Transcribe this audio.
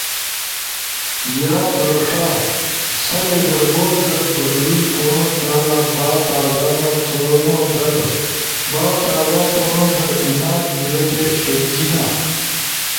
یاد رݜا سا لیڈر بورڈ در بدلون تھونو کارا بھا تازہ تھونو در ایناک منلٹی ݜجینا۔